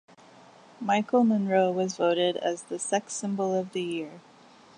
Michael Monroe was voted as "The Sex Symbol of the Year".